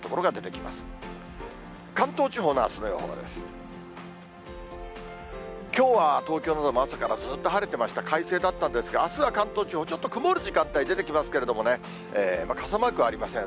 きょうは東京も朝からずっと晴れてました、快晴だったんですが、あすは関東地方、ちょっと曇る時間帯出てきますけれどもね、傘マークはありません。